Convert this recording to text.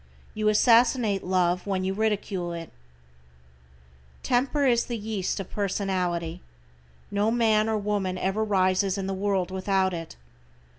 You assassinate love when you ridicule it. Temper is the yeast of personality. No man or woman ever rises in the world without it.